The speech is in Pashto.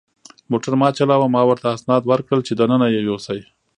موټر ما چلاوه، ما ورته اسناد ورکړل چې دننه یې یوسي.